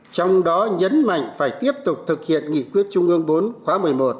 trong đó nhấn mạnh phải tiếp tục thực hiện nghị quyết trung ương bốn khóa một mươi một